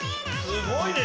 すごいね！